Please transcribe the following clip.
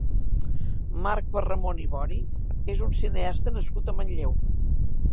Marc Parramon i Bori és un cineasta nascut a Manlleu.